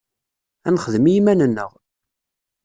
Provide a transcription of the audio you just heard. Ad nexdem i yiman-nneɣ.